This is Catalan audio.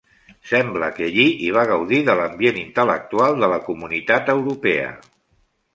Sembla que allí hi va gaudir de l'ambient intel·lectual de la comunitat europea.